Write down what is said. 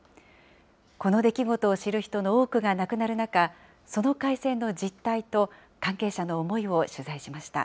この出来事を知る人の多くが亡くなる中、その海戦の実態と、関係者の思いを取材しました。